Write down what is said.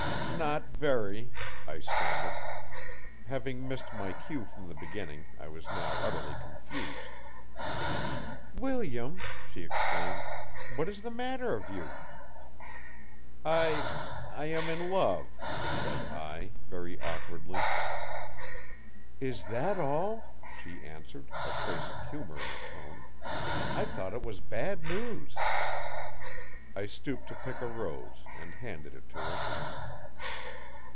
'Not very,' I stammered. Having missed my cue from the beginning, I was now utterly confused. 'William!' she exclaimed, 'what is the matter of you.' 'I I am in love,' said I, very awkwardly. 'Is that all?' she answered, a trace of humour in her tone. 'I thought it was bad news.' I stooped to pick a rose and handed it to her.